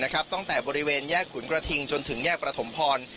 ตั้งแต่บริเวณแยกขุนกระทิงจนถึงแยกประถมพร